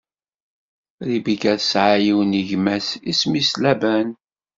Ribika tesɛa yiwen n gma-s isem-is Laban.